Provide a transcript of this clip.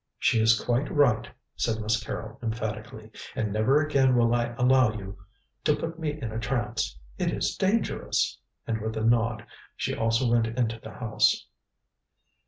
"She is quite right," said Miss Carrol emphatically, "and never again will I allow you to put me in a trance. It is dangerous," and with a nod she also went into the house.